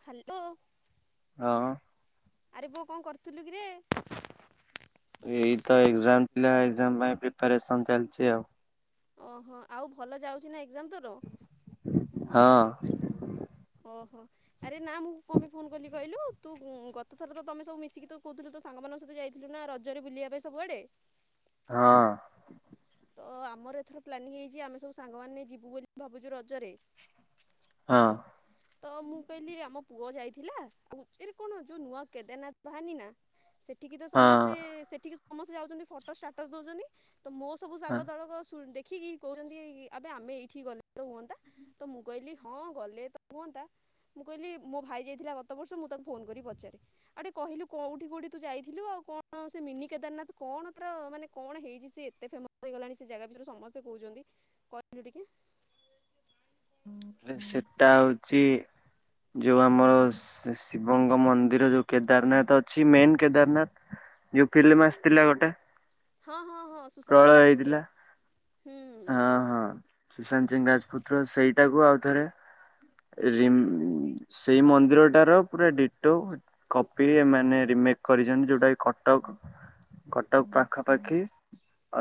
Hello. ହଁ। ଆରେ ପୁଅ କଣ କରୁଥିଲୁ କିରେ? ଏଇତ ଏକ୍ଜାମ ଥିଲା ଏକ୍ଜାମ ପାଇଁ ପ୍ରେପ୍ୟାରେସନ ଚାଲିଛି ଆଉ। ଓହୋ ଆଉ ଭଲ ଯାଉଛି ନା ଏକ୍ଜାମ ତୋର? ହଁ। ଓହୋ ଆରେ ନା ମୁଁ କଁ ପାଇଁ ଫୋନ କଲି କହିଲୁ, ତୁ ଉଁ ଗତ ଥର ତମେ ସବୁ ମିଶିକି ତୁ କହୁଥିଲୁ ତୋ ସାଙ୍ଗମାନଙ୍କ ସହିତ ଯାଇଥିଲୁ ନା ରଜରେ ବୁଲିଆ ପାଇଁ ସବୁଆଡେ। ହଁ। ତ ଆମର ଏଥର ପ୍ଲାନିଂ ହେଇଚି ଆମେ ସବୁ ସାଙ୍ଗମାନେ ଯିବୁ ବୋଲି ଭାବୁଚୁ ରଜରେ। ହଁ। ତ ମୁଁ କହିଲି ଆମ ପୁଅ ଯାଇଥିଲା ଆଉ ଏରେ କଣ ଯୋଉ ନୂଆ କେଦାରନାଥ ବାହାରିନି ନା। ସେଠିକି ତ ସମସ୍ତେ ହଁ ସେଠିକି ସମସ୍ତେ ଯାଉଛନ୍ତି ଫଟୋ ଷ୍ଟାଟସ ଦଉଛନ୍ତି। ତ ମୋ ସବୁ ସାଙ୍ଗ ଦଳକ ଶୁଣ ଦେ ଖିକି କହୁଛନ୍ତି ଆବେ ଆମେ ଏଇଠି ଗଲେ ତ ହୁଅନ୍ତା, ତ ମୁଁ କହିଲି ହଁ ଗଲେ ତ ହୁଅନ୍ତା ମୁଁ କହିଲି ମୋ ଭାଇ ଯାଇଥିଲା ଗତବର୍ଷ ମୁଁ ତାକୁ ଫୋନ କରି ପଚାରେ ଆଉ ଟିକେ କହିଲୁ କୋଉଠି କୋଉଠି ତୁ ଯାଇଥିଲୁ ଆଉ କଣ ସେ ମିନି କେଦାରନାଥ କଣ ତାର ମାନେ କଣ ହେଇଚି ସେ ଏତେ ଫେମସ ହେଇଗଲାଣି ସେ ଜାଗା ବିଷୟରେ ସମସ୍ତେ କହୁଛନ୍ତି, କହିଲୁ ଟିକେ। ଆରେ ସେଟା ହଉଛି ଯୋଉ ଆମର ଶି-ଶିବଙ୍କ ମନ୍ଦିର ଯୋଉ କେଦାରନାଥ ଅଛି ମେନ କେଦାରନାଥ, ଯୋଉ ଫିଲ୍ମ ଆସଥିଲା ଗୋଟେ। ହଁ ହଁ। ହଁ ସୁଶାନ୍ତ ପ୍ରଳୟ ସିଂ ହେଇଥିଲା ରାଜପୁତ୍ର ହୁଁ। ହଁ ହଁ। ସୁଶାନ୍ତ ସିଂ ରାଜପୁତ ର ସେଇଟାକୁ ଆଉଥରେ ରିମ୍ ସେଇ ମନ୍ଦିରଟାର ପୁରା ଡିଟୋ କପି ମାନେ ରିମେକ୍ କରିଛନ୍ତି ଯୋଉଟା କି କଟକ କଟକ ପାଖାପାଖି।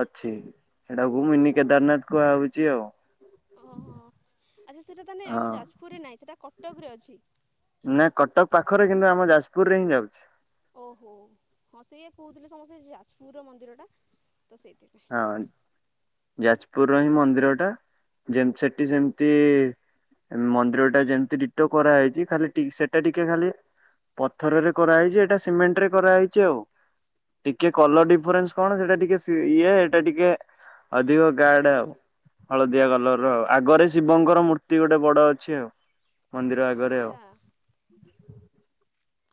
ଅଛି। ସେଟାକୁ ମିନି ଆଚ୍ଛା କେଦାରନାଥ କୁହା ହଉ ଚି ଆଉ ଓହୋ ଆଚ୍ଛା ସେଇଟା ତାନେ ହଁ ଆମ ଯାଜପୁରରେ ନାହିଁ ସେଇଟା କଟକରେ ଅଛି। ନା କଟକ ପାଖରେ କିନ୍ତୁ ଆମ ଯାଜପୁରରେ ହିଁ ଯାଉଛି। ଓହୋ ହଁ ସେଇଆ କହୁଥିଲେ ସମସ୍ତେ ଯାଜ୍ ପୁର ମନ୍ଦିରଟା ତ ସେଇଥିପାଇଁ ଯାଜପୁର ର ହିଁ ମନ୍ଦିର ଟା ଯେମତି ସେଠି ସେମିତି ମନ୍ଦିର ଟା ଯେମିତି ଡିଟୋ କରାହେଇଚି ଖାଲି ଟି ସେଟା ଟିକେ ଖାଲି ପଥରରେ କରାହେଇଚି ଏଇଟା ସିମେଣ୍ଟ ରେ କରାହେଇଚି ଆଉ ଟିକେ କଲର ଆଚ୍ଛା ଡିଫରେନ୍ସ କଣ ସେଟା ଟିକେ ଫି ଇଏ ଏଇଟା ଟିକେ ଅଧିକ ଗାଡ ଆଉ। ହଳଦିଆ ଓହୋ କଲର ଆଉ ଆଗରେ ଶିବଙ୍କର ମୂର୍ତ୍ତି ଗୋଟେ ବଡ ଅଛି ଆଉ ମନ୍ଦିର ଆଗରେ ଆଉ ଆଚ୍ଛା।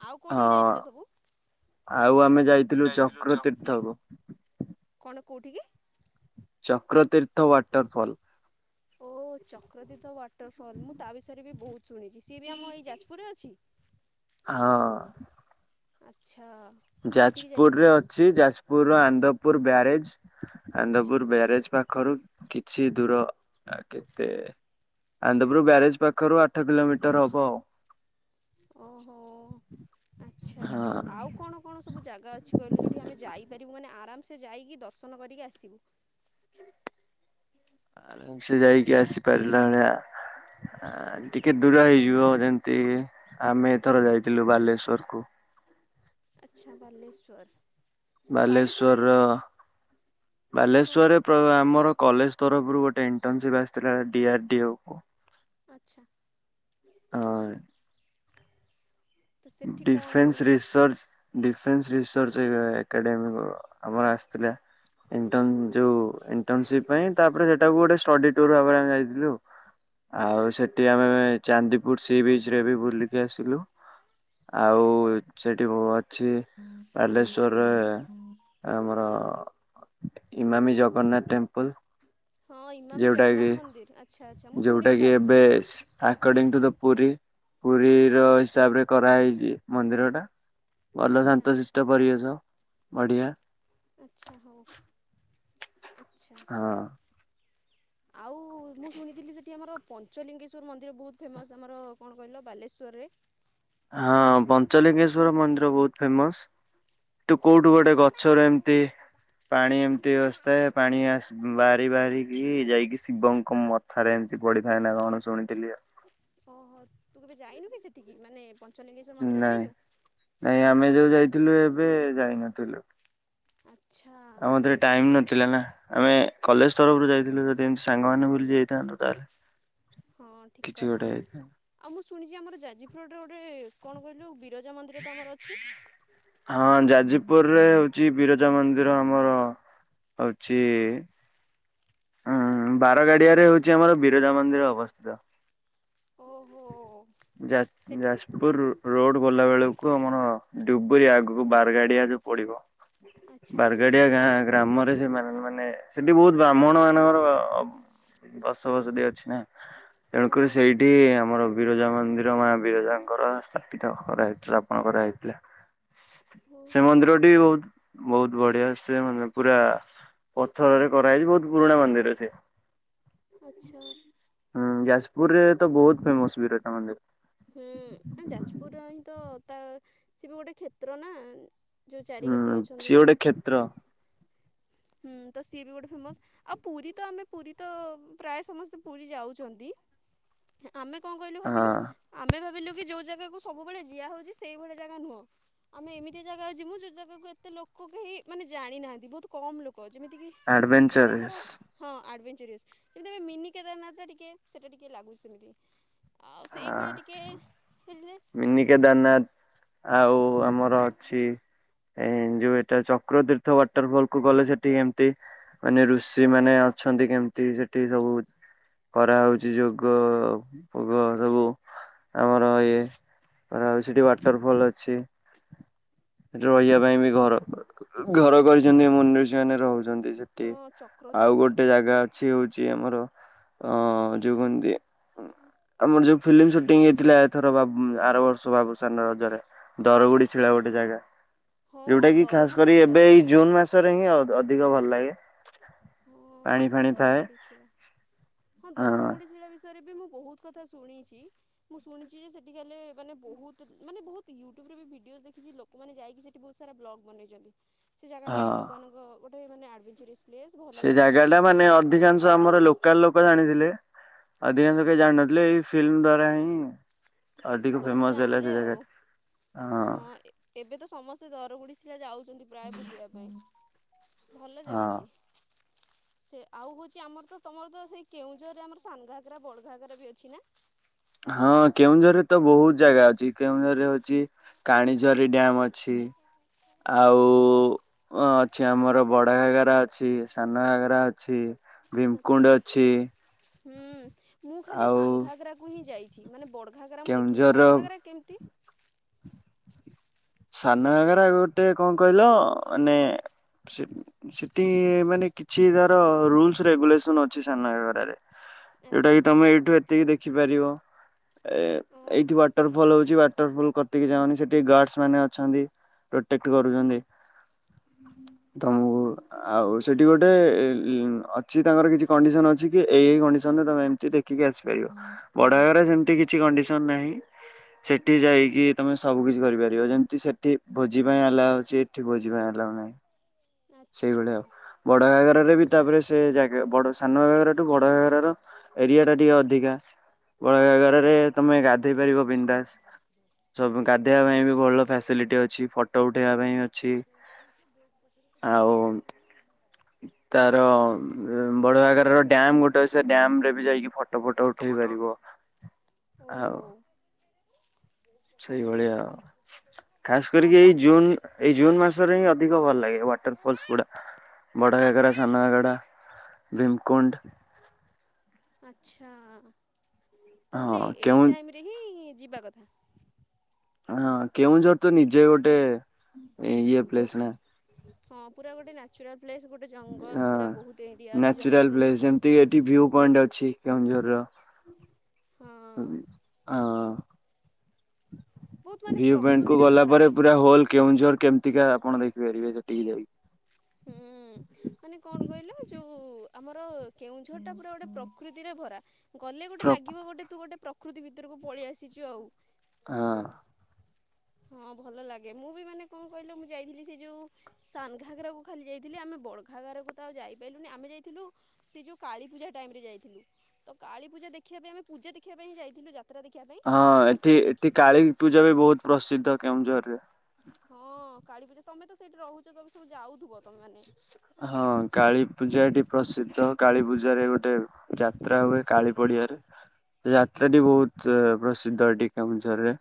ଆଉ କୋଉଠିକି ହଁ। ଯାଇଥିଲ ସବୁ। ଆଉ ଆମେ ଯାଇଥିଲୁ ଚକ୍ର ତୀର୍ଥକୁ କେଉଠି କି? ଚକ୍ରତୀର୍ଥ ୱାଟରଫଲ୍ ଓ ଚକ୍ରତୀର୍ଥ ୱାଟରଫଲ ମୁଁ ତା ବିଷୟରେ ବି ବହୁତ ଶୁଣିଛି ସିଏ ବି ଆମ ଏଇ ଯାଜପୁରରେ ଅଛି। ହଁ ଆଚ୍ଛା ସେଠିକି ଯାଇଥିଲି ଯାଜପୁରରେ ଅଛି ଯାଜପୁର ର ଉଦପୁର ବ୍ୟାରେଜ୍ ଆଚ୍ଛା ଆନନ୍ଦପୁର ବ୍ୟାରେଜ ପା ପାଖରୁ କିଛି ଦୂର କେତେ ଆନ୍ଦପୁର ବ୍ୟାରେଜ ପାଖରୁ ଆଠ କିଲୋମିଟର ହବ ଆଉ ଓହୋ ଆଛା ହଉ ଆଉ କଣ କଣ ସବୁ ଜାଗା ଅଛି କହିଲୁ ଯୋଉଠି ଆମେ ଯାଇପାରିବୁ ମାନେ ଆରାମସେ ଯାଇକି ଦର୍ଶନ କରିକି ଆସିବୁ। ଆରାମ ସେ ଯାଇକି ଆସିପାରିଲା ଭଳିଆ ଟିକେ ଦୂର ହେଇଯିବ ଯେମତି ଆମେ ଏଥର ଯାଇଥିଲୁ ବାଲେଶ୍ଵର କୁ ଆଚ୍ଛା ବାଲେଶ୍ଵର। ବାଲେଶ୍ଵରର ହଁ ବାଲେଶ୍ଵରରେ ଆମର କଲେଜ ତରଫରୁ ଗୋଟେ ଇଣ୍ଟନସିପ ଆସିଥିଲା ଡି ଆର ଡି ଆଉ କ ଆଚ୍ଛା। ହଁ ତ ସେଠି କ'ଣ ଡିଫେନ୍ସ ମାନେ ରିସର୍ଚ୍ଚ ଡିଫେନ୍ସ ରିସର୍ଚ୍ଚ ଏକାଡେମୀ ଆମର ଆସିଥିଲା ଯ ଇଣ୍ଟନସିପ ପାଇଁ ତାପରେ ସେଟାକୁ ଗୋଟେ ଷ୍ଟଡି ଟୁରରେ ଭଳି ଯାଇଥିଲୁ ଆଉ ସେଠି ଆମେ ଚାନ୍ଦିପୁର ସି ବିଚରେ ବି ବୁଲିକି ଆସିଲୁ। ଆଉ ସେଠି ବହୁତ ଅଛି ବାଲେଶ୍ୱଵରରେ ଆମର। ଇମାମୀ ଜଗନ୍ନାଥ ଟେମ୍ପଲ ହଁ ଇମାମି ଯୋଉଟା ଜଗନ୍ନାଥ କି ମନ୍ଦିର ଆଚ୍ଛା ଆଚ୍ଛା ମୁଁ ଯୋଉଟା ଶୁଣିଛି ତା କି ଏବେ ବିଷୟରେ according to the Puri Puri ର ହିସାବରେ କରାହେଇଛି ମନ୍ଦିର ଟା ଭଲ ଆଚ୍ଛା ଶାନ୍ତଶିଷ୍ଟ ପରିବେଶ ବଢିଆ। ଆଚ୍ଛା ହଉ। ଆଚ୍ଛା ହଁ। ଆଉ ମୁଁ ଶୁଣିଥିଲି ସେଠି ଆମର ପଞ୍ଚଲିଙ୍ଗେଶ୍ଵର ମନ୍ଦିର ବହୁତ ଫେମସ ଆମର କଣ କହିଲ ବାଲେଶ୍ୱରରେ। ହଁ ପଞ୍ଚଲିଙ୍ଗେଶ୍ଵର ମନ୍ଦିର ବହୁତ ଫେମସ। ତୁ କୋଉଠୁ ଗୋଟେ ଗଛର ଏମତି ପାଣି ଏମିତିସ୍ଥାଏ ପାଣି ବାହାରି ବାହାରିକି ଯାଇକି ଶିବଙ୍କୁ ମଥାରେ ଏମିତି ପଡିିଥାଏ ନା କଣ ଶୁଣିଥିଲି ଆଉ। ଓହୋ ତୁ କେବେ ଯାଇନୁ କି ସେଠିକି ମାନେ। ପଞ୍ଚଲିଙ୍ଗେଶ୍ୱର ମନ୍ଦିର ନାଇଁ ଯାଇନୁ ନାଇଁ ଆମେ ଆଚ୍ଛା ଯୋଉ ଯାଇଥିଲୁ ଏବେ ଯାଇନଥିଲୁ ଆଚ୍ଛା ଆଉ ମତରେ ଟାଇମ ନଥିଲା ନା। ଆମେ କଲେଜ ତରଫରୁ ଯାଇଥିଲୁ ଯଦି ଏମିତି ସାଙ୍ଗ ମାନେ ବୁଲି ଯାଇଥାନ୍ତୁ ତାହେଲେ। ହଁ ଠିକ କିଛି କଥା ଗୋଟେ ହେଇଥାନ୍ତା। ଆଉ ମୁଁ ଶୁଣିଛି ଆମର ଯାଜପୋଡରେ ଗୋଟେ। କଣ କହିଲୁ? ବିରଜା ମନ୍ଦିର ତ ଆମର ଅଛି ହଁ ଯାଜପୁର ରେ ହଉଛି ବିରଜା ମନ୍ଦିର। ଆମର ହଉଛି ହୁଁ ବାରଗାଡିଆରେ ହଉଛି ଆମର ବିରଜା ମନ୍ଦିର ଅବସ୍ଥିତ। ଓହୋ ଯା ସେ ଯାଜପୁର ରୋଡ ଗଲା ବେଳକୁ ଆମର ଡୁବରି ଆଗକୁ ବାରଗାଡିଆ ଯୋଉ ପଡିବ। ଆଚ୍ଛା ବାରଗାଡିଆ ଗାଁ ଗ୍ରାମରେ। ମାନେ ସେଠି ବହୁତ ବ୍ରାହ୍ମଣ ମାନଙ୍କର ବସବସତି ଅଛି ନା। ତେଣୁକରି ଓହୋ ସେଇଠି ଆମର ବିରଜା ମନ୍ଦିର ମା ବିରଜାଙ୍କର ସ୍ଥାପିତ କରାହେଇଥିଲା ସ୍ଥାପିତ କରାହେଇଥିଲା ହଉ ସେ ମନ୍ଦିରଟି ବହୁତ ବହୁତ ବଢିଆ ସେ ମ ପୁରା ପଥରରେ କରାହେଇଛି ବହୁତ ବହୁତ ପୁରୁଣା ମନ୍ଦିର ସେ। ଆଚ୍ଛା। ହୁଁ ଯାଜପୁରରେ ତ ବହୁତ ଫେମସ ବିରାଟା ମନ୍ଦିର। ହୁଁ ଯାଜପୁରର ହିଁ ତ ତା ସେ ବି ଗୋଟେ କ୍ଷେତ୍ର ନା। ଯେଉଁ ଚାରି ହୁଁ କ୍ଷେତ୍ର ଅଛନ୍ତି ସିଏ ଗୋଟେ କ୍ଷେତ୍ର। ହୁଁ ତ ସିଏ ବି ଗୋଟେ ଫେମସ ଆଉ ପୁରୀ ତ ଆମେ ପୁରୀ ତ ପ୍ରାୟ ସମସ୍ତେ ପୁରୀ ଯାଉଛନ୍ତି। ଆମେ କଣ କହିଲୁ ହଁ ଭାବିଲୁ ଆମେ ଭାବିଲୁ ଯୋଉ ଜାଗାକୁ ସବୁବେଳେ ଯିଆ ହଉଛି ସେଇଭଳି ଜାଗା ନୁହଁ ଆମେ ଏମିତି ଜାଗା ଯିମୁ ଯୋଉ ଜାଗାକୁ ଏତେ ଲୋକ କେହି ମାନେ ଜାଣିନାହାନ୍ତି ବହୁତ କମ୍ ଲୋକ କହୁ ଯେମିତି କି ଏବେ ଆମର ଆଡଭେଞ୍ଚରସ୍ ହଁ କିନ୍ତୁ ମିନି କେଦାରନାଥ ଟିକେ ସେଇଟା ଟିକେ ଲାଗୁଛି ସେମିତି। ଆଉ ଆ ସେଇଭଳିଆ ଟିକେ। ମିନି କେଦାରନାଥ ଆଉ ଆ ମର ଅଛି ଏ ଯୋଉ ଏଟା ଚକ୍ର ତୀର୍ଥ ୱାଟରଫଲ କୁ ଗଲେ ସେଠି କେମତି ମାନେ ଋଷି ମାନେ ଅଛନ୍ତି କେମିତି ସେଠି ସବୁ କରାହଉଛି ଯଗୋ ପଗୋ ସବୁ ଆମର ଏ ଆଉ ସେଠି ୱାଟରଫଲ ଅଛି ସେଠି ରହିବା ପାଇଁ ବି ଘର ଘର ଆଚ୍ଛା। କରିଛନ୍ତି ମୁନି ରୁଷି ମାନେ ରହୁଛନ୍ତି ସେଠି ହଁ ଆଉ ଚକ୍ରତୀର୍ଥ ଗୋଟେ ଜାଗା ଅଛି ହଉଛି ଆମର ଅ ଯୋଉ କହନ୍ତି ଆମର ଯୋଉ ଫିଲ୍ମ ସୁଟିଂ ହେଇଥିଲା ଏଥର ବାବୁ ଉଁ ଆର ବର୍ଷ ବାବୁସାନର ରଜରେ ଦରଗୁଡି ସିଳା ଆଚ୍ଛା। ଗୋଟେ ଜାଗା ହଁ ଯୋଉଟା କି ଖାସ ଦରଗୁଡି କରି ଶିଳା। ଏବେ ଏଇ ଜୁନ ମାସରେ ହିଁ ଆଉ ଅଧିକ ଭଲ ଲାଗେ ପାଣି ହଁ ଫାଣି ଥାଏ। ଦରଗୁଡି ଶିଳା ହଁ ଦରଗୁଡି ଶିଳା ବିଷ ବିଷୟରେ ମୁଁ ବହୁତ କଥା ଶୁଣିଚି ମୁଁ ଶୁଣିଛି ଯେ ସେଠି କାଲେ ମାନେ ବହୁତ ମାନେ ବହୁତ ୟୁଟୁବରେ ଭିଡିଓ ଦେଖିକି ଲୋକମାନେ ଯାଇକି ସେଠି ବହୁତ ସାରା ବ୍ଲଗ ବନେଇଛନ୍ତି। ସେ ଜାଗାଟା ବି ହଁ ଲୋକମାନଙ୍କ ଗୋଟ ମାନେ ଡଭେଞ୍ଚାର ପ୍ସ୍ଲେ ସେ ଜାଗା ଟା ମାନେ ଅଧିକାଂଶ ଆମର ଲୋକାଲ ଲୋକ ଆପଣ ଜାଣିଥିଲେ। ହୁଁ ଅଧିକାଂଶ କେହି ଜାଣିନଥିଲେ ଏଇ ଫିଲ୍ମ ଦ୍ଵାରା ହିଁ ହୁଁ। ସମସ୍ତେ ଜାଣିଲେ ଆଉ ହଁ ଏ-ଏବେ ତ ସମସ୍ତେ ଦରବୁଢ଼ୀ ଯା-ଯାଉଚନ୍ତି ପ୍ରାୟ ବୁଳିବା ପାଇଁ ଭଲ ହଁ ଜାଗାଟିଏ। ସେ ଆଉ ହୋଉଚି ଆମର ତ ତମର ତ ସେଇ କେଉଁଝରରେ ଆମର ସାନ୍ ଘାଗରା ବଡ ଘାଗରା ବି ଅଛି ନା? ହଁ କେଉଁଝରରେ ତ ବୋହୁତ ଜାଗା ଅଛି କେଉଁଝରରେ ଅଛି କାଣୀଝ ସେ ଡ୍ୟାମ ଅଛି। ଆଉ ଅଛି ଆମର ବଡ ଘାଗରା ଅଛି ସାନ ଘାଗରା ଅଛି। ଆଛା ଭୀମକୁଣ୍ଡ ଅଛି ହୁଁ ମୁଁ ଖାଲି ଆଉ ସାନ୍ ଘାଗରାକୁ ହିଁ ଯାଇ ଚି ମାନେ ବଡ ଘାଗରା ମୁଁ ଦେଖିନି କେଉଁଝରର ବଡ ଘାଗରା କେମିତି? ସାନ ଘାଗରା ଗୋଟେ କଣ କହିଲ ମାନେ ସେ-ସେଠି ମାନେ କିଛି ତାର ରୁଲସ ରେଗୁଲେସନ ଅଛି ସାନ ଘାଗରାରେ। ଆଚ୍ଛା। ଯୋଉଟାକି ତମେ ଏଇଠୁ ଏତିକି ଦେଖିପାରିବ। ଏ-ଏଇଠି ୱାଟର ଫଲ୍ ହୋଉଚି ୱାଟର ଫୁଲ୍ କତିକି ଜାଉନି ସେଠି ଗାର୍ଡସ ମାନେ ଅଛନ୍ତି ପ୍ରଟେକ୍ଟ କରୁଛନ୍ତି ତମକୁ ଆଉ ସେଠି ଗୋଟେ ଅଛି ତାଙ୍କର କିଛି କଣ୍ଡିସନ ଅଛି କି ଏଇ କଣ୍ଡିନରେ ତମେ ଏମିତି ଦେଖିକି ଆସିପାରିବ ବଡଘାଗରା ରେ ସେମତି କିଛି କଣ୍ଡିସନ ନାହିଁ ସେଠି ଯାଇକି ତମେ ସବୁ କିଛି କରିପାରିବ। ବ ଯେମିତି ସେଠି ଭୋଜି ପାଇଁ ଆଲାଉ ଅଛି ଏଠି ଭୋଜି ପାଇଁ ଆଲଉ ନାହିଁ। ସେଇ ଆଚ୍ଛା ଭଳିଆ ଆଉ ବଡଘାଗରା ହେଲେବି ତାପରେ ସେ ଜାଗା ବଡ ସାନ ଘାଗରା ଠୁ ବଡଘାଗରା ର ଏରିଆ ଟା ଟିକେ ଅଧିକା ବଡଘାଗରା ରେ ତମେ ଗା ଦେଇପାରିବ ବିନ୍ଦାସ ସବୁ ଗାଧେଇବା ପାଇଁ ବି ଭଲ ଫ୍ୟାସିଲିଟି ଅଛି, ଫଟୋ ଉଠେଇବା ପାଇଁ ଅଛି ଆଉ ତାର ଆଚ୍ଛା ବଡ ଘାଗରାର ଡ୍ୟାମ ଗୋଟେ ଅଛି ସେ ଡ୍ୟାମ ରେ ବି ଯାଇକି ଫଟ ଫଟ ଫଟ ଉଠେଇ ପାରିବ ଓ ଆଉ ଆରେ ସେଇଭଳିଆ ଆଉ ଖାସ ହଁ କରିକି ଏଇ ତମ ଜୁନ ଏଇ ଜୁନ ମାସରେ ହିଁ ଅଧିକ ଭଲ ଲାଗେ ୱାଟର ଫଲସ ଗୁଡା ବଡଘାଗରା, ସାନ ଘାଗରା ଭୀମ କୁଣ୍ଡ ଆଚ୍ଛା। ତାହେଲେ ଏଇ କେଉଁ ଟାଇମ ରେ ହିଁ ଯିବା କଥା ହଁ କେଉଁଝର ତ ନିଜେ ଗୋଟେ ଇ ଏ ପ୍ଲେସ ନା ଚୁରାଲ ହଁ ଅଛି ଜଙ୍ଗଲ ନ୍ୟଚୁରାଲ ଏରିଆ। ପ୍ଲେସ ଯେମତି ଏଠି ଭିୟୁ ପଏଣ୍ଟ ଅଛି। କେଉଁଝରର। ହଁ ହ ଅ ବହୁତ ମାନେ ଭିଉ ପଏଣ୍ଟ କୁ ପ୍ରକୃତିରେ ଗଲା ଭରା ପରେ ପୁରା ହୋଲ କେଉଁଝର କେମତି ଟିକା ଆପଣ ଦେଖିପାରିବେ ସେଠିକି ଯାଇକି ହୁଁ ମାନେ କଣ କହିଲ ଯୋଉ ଆମର କେଉଁଝର ଟା ପୁରା ଗୋଟେ ପ୍ରକୃତିରେ ଭରା। ଗଲେ ଗୋଟେ ଲାଗିବ ଗୋଟେ ତୁ ଗୋଟେ ପ୍ର ପ୍ରକୃତି ଭିତରକୁ ପଳେଇ ଆସିଚୁ ଆଉ। ହଁ। ହଁ ଭଲ ଲାଗେ ମୁଁ ବି ମାନେ କଣ କହିଲ ମୁଁ ଯାଇଥିଲି ସେ ଯୋଉ ସାନଘାଗରାକୁ ଖାଲି ଯାଇଥିଲି ଆମେ ବଡଘାଘରକୁ ତ ଆଉ ଯାଇପାରିଲୁନି ଆମେ ଯାଇଥିଲୁ ସେ ଯୋଉ କାଳୀପୂଜା ଟାଇମ ରେ ଯାଇଥିଲୁ ତ କାଳୀପୂଜା ଦେଖିବା ପାଇଁ ଆମେ ପୂଜା ଦେଖିବା ପାଇଁ ଯାଇଥିଲୁ ଯା ହଁ ଏଠି ଏଠି କାଳୀ ପୂଜା ବି ବହୁତ ପ୍ର ଶିଦ୍ଧ କେଉଁଝରରେ। ହଁ କାଳୀପୂଜା ତମେ ତ ସେଇଠି ରହୁଛ ତମ ସବୁ ଯାଉଥିବ। ତମେ ମାନେ। ହଁ କାଳୀ ପୂଜା ଏଠି ପ୍ରସିଦ୍ଧ। କାଳୀ ପୂଜାରେ ଗୋଟେ ଯାତ୍ରା ହୁଏ କାଳୀ ପଡିଆରେ ସେ ଯାତ୍ରା ଟି ବହୁତ ପ୍ରସିଦ୍ଧ ଏଠି କେଉଁଝରରେ।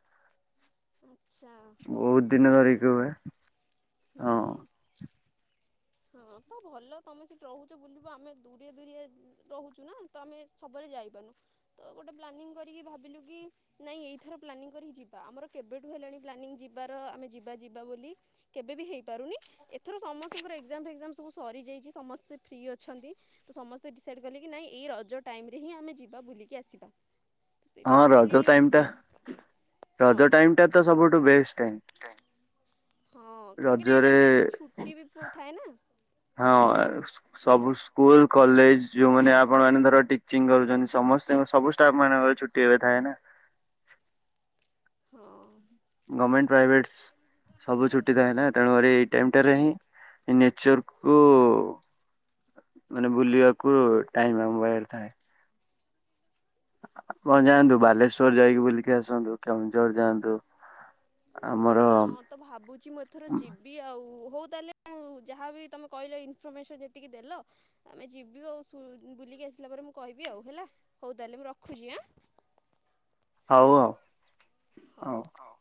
ଆଛା ହଁ ମୁଁ ବହୁତ ଦିନ ଧରିକି ଶୁଣିଥିଲି ହୁଏ। ହଁ ହୁଁ। ହଁ ତ ଭଲ ତମେ ସେଠି ରହୁଛ ବୁଲିବୁ ଆମେ ଦୁରେ ଦୁରିଆ ରହୁଛୁ ନା ତ ଆମେ ସବୁବେଳେ ଯାଇପାରୁନୁ ତ ଗୋଟେ ପ୍ଲାନିଂ କରିକି ଭାବିଲୁ କି ନାଇଁ ଏଇଥର ପ୍ଲାନିଂ କରିକି ଯିବା ଆମର କେବେଠୁ ହେଲାଣି ପ୍ଲାନିଂ ଯିବାର ଆମେ ଯିବା ଯିବା ବୋଲି କେବେବି ହେଇପାରୁନି ଏଥର ସମସ୍ତଙ୍କର ଏକ୍ଜାମ ଫେକ୍ଜାମ ସବୁ ସରିଯାଇଛି ସମସ୍ତେ ଫ୍ରି ଅଛନ୍ତି ତ ସମସ୍ତେ ଡିସାଇଡ୍ କଲେ କି ନାଇଁ ଏଇ ରଜ ଟାଇମ ରେ ହିଁ ଆମେ ଯିବା ବୁଲିକି ଆସିବା। ହଁ ସେଇଥିପାଇଁ ମୁଁ କହିଲି ରଜ ଟାଇମ ଟା ରଜ ଟାଇମଟା ତ ସବୁଠୁ ବେଷ୍ଟ। ଟାଇମ। କାଇଁ ହଁ କାହିଁକି ନା ଏତେ ରଜରେ ଟାଇମ ରେ ଏତେ ଛୁଟି ବି ଥାଏ ନା। ହଁ ଏ ସବୁ ସ୍କୁଲ କଲେଜ ଯୋଉମାନେ ଆପଣ ମାନେ ଧର ଟିଚିଂ କରୁଛନ୍ତି ସମସ୍ତ ସବୁ ଷ୍ଟାଫ ମାନଙ୍କର ଛୁଟି ହେବେ ଥାଏ ନା। ହଁ। ଗମେଣ୍ଟ ପ୍ରାଇଭେଟ ସବୁ ଛୁଟି ଥାଏ ନା ତେଣୁକରି ଏଇ ଟାଇମଟାରେ ହିଁ ନେଚରକୁ ମାନେ ବୁଲିବାକୁ ଟାଇମ ଆମପାଖରେ ଥାଏ। ଆପଣ ଯାଆନ୍ତୁ ବାଲେଶ୍ଵର ଯାଇକି ବୁଲିକି ଆସନ୍ତୁ କେଉଁଝର ଯାଆନ୍ତୁ। ଆମର ହଁ ତ ଭାବୁଛି ମୁଁ ଏଥର ଯିବି ଆଉ। ହଉ ତାହେଲେ ମୁଁ ଯାହାବି ତମେ କହିଲ ଇନଫରମେସନ ଯେତିକି ଦେଲ ଆମେ ଯିବୁ ଆଉ ଶୁ ବୁଲିକି ଆସିଲା ପରେ ମୁଁ କହିବି ଆଉ ହେଲା ହଉ ତାହେଲେ ମୁଁ ରଖୁଛି ଆଁ। ହଉ ହଉ ହଉ।